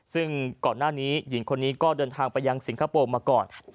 ซึ่งขอนาวนี้ฮิ่กคนนี้ก็เดินทางไปยังสิงคโปร์มาก่อน